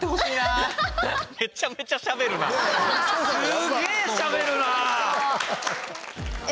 すげえしゃべるな！